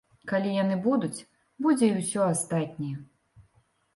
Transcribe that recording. Калі яны будуць, будзе і ўсё астатняе.